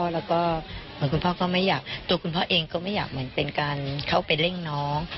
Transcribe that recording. แล้วก็เหมือนคุณพ่อก็ไม่อยากตัวคุณพ่อเองก็ไม่อยากเหมือนเป็นการเข้าไปเร่งน้อง